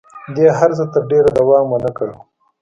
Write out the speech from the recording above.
دې هر څه تر ډېره دوام ونه کړ.